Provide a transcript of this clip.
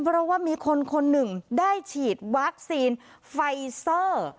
เพราะว่ามีคนคนหนึ่งได้ฉีดวัคซีนไฟเซอร์